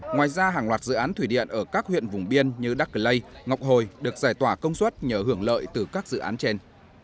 ngoài ra hàng loạt dự án thủy điện ở các huyện vùng biên như đắc lây ngọc hồi được giải tỏa công suất nhờ hưởng lợi từ các dự án trên